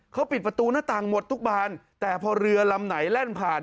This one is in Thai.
เขาปิดประตูหน้าต่างหมดทุกบานแต่พอเรือลำไหนแล่นผ่าน